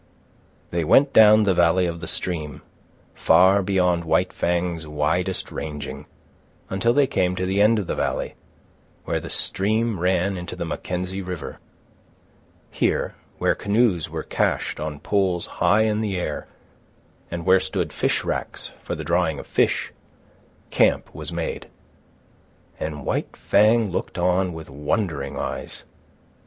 They went down the valley of the stream, far beyond White Fang's widest ranging, until they came to the end of the valley, where the stream ran into the Mackenzie River. Here, where canoes were cached on poles high in the air and where stood fish racks for the drying of fish, camp was made; and White Fang looked on with wondering eyes.